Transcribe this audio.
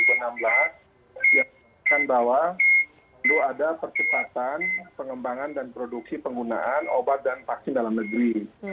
yang mengatakan bahwa perlu ada percepatan pengembangan dan produksi penggunaan obat dan vaksin dalam negeri